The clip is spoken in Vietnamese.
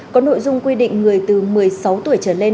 có nội dung quy định người từ một mươi sáu tuổi trở lên